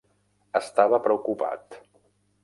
Estava preocupat.